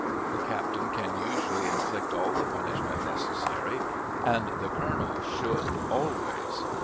The captain can usually inflict all the punishment necessary, and the colonel should always.